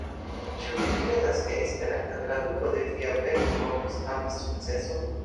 Ĉu vi kredas ke Esperanta traduko de via verko povus havi sukceson?